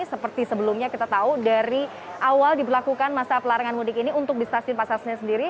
seperti sebelumnya kita tahu dari awal diberlakukan masa pelarangan mudik ini untuk di stasiun pasar senen sendiri